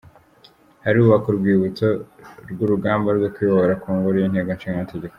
Harubakwa urwibutso rw’urugamba rwo kwibohora ku ngoro y’Inteko Ishinga Amategeko